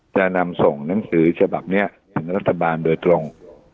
จะนำส่งหนังสือฉบับนี้ถึงรัฐบาลโดยตรง